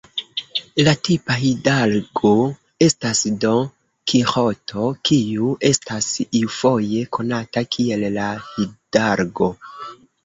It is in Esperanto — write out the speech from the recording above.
La tipa hidalgo estas Don Kiĥoto, kiu estas iufoje konata kiel "La Hidalgo".